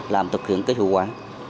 làm thực hiện cái hữu quả